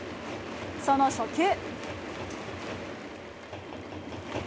その初球。